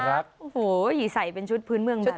โอ้โหใส่เป็นชุดพื้นเมืองแบบนี้